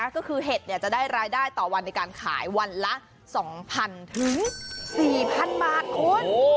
ก็คือเห็ดจะได้รายได้ต่อวันในการขายวันละ๒๐๐๐ถึง๔๐๐๐บาทคุณ